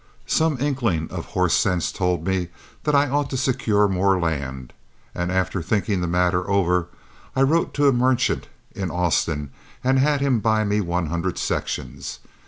Some inkling of horse sense told me that I ought to secure more land, and after thinking the matter over, I wrote to a merchant in Austin, and had him buy me one hundred sections.